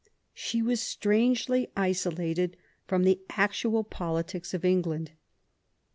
She was strangely isolated from the actual politics of England.